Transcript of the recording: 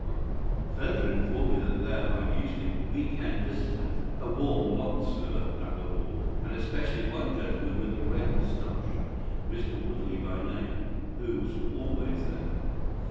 The landlord further informed me that there are usually week end visitors—'a warm lot, sir'—at the Hall, and especially one gentleman with a red moustache, Mr. Woodley by name, who was always there.